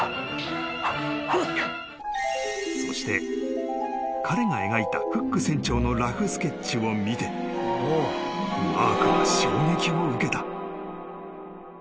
［そして彼が描いたフック船長のラフスケッチを見てマークは衝撃を受けた］